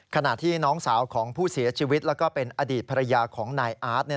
ขณะที่น้องสาวของผู้เสียชีวิตแล้วก็เป็นอดีตภรรยาของนายอาร์ต